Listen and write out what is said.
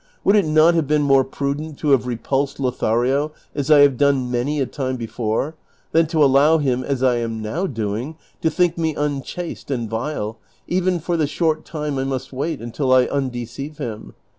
would it not have been more prudent to have repulsed Lothario, as I have done many a time before, than to allow him, as I am now doing, to think me un chaste and vile, even for the short time I must wait until I undeceive him